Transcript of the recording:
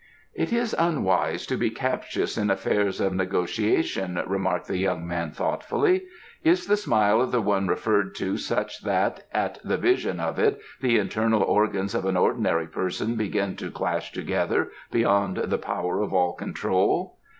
"It is unwise to be captious in affairs of negotiation," remarked the young man thoughtfully. "Is the smile of the one referred to such that at the vision of it the internal organs of an ordinary person begin to clash together, beyond the power of all control?"